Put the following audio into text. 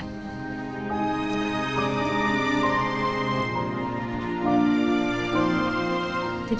aku mau minum obat ya